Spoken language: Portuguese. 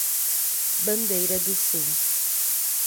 Bandeira do Sul